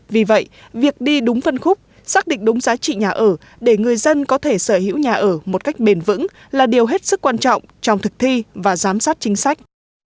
vì vậy việc đi đúng phân khúc xác định đúng giá trị nhà ở để người dân có thể sở hữu nhà ở một cách bền vững là điều hết sức quan trọng trong thực thi và giám sát chính sách